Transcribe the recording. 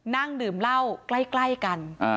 นั่งดื่มเหล้าใกล้กัน